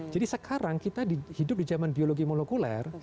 jadi sekarang kita hidup di zaman biologi molekuler